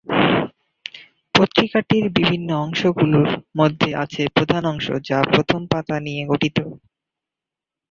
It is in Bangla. পত্রিকাটির বিভিন্ন অংশগুলোর মধ্যে আছে প্রধান অংশ যা প্রথম পাতা নিয়ে গঠিত।